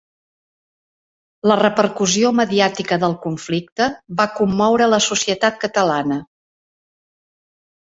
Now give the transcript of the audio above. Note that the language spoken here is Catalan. La repercussió mediàtica del conflicte va commoure la societat catalana.